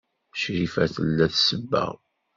Crifa tella tsebbeɣ.